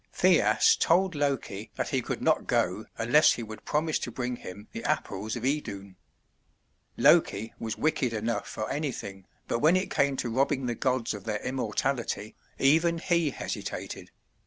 Thjasse told Loki that he could not go unless he would promise to bring him the Apples of Idun. Loki was wicked enough for anything; but when it came to robbing the gods of their immortality, even he hesitated.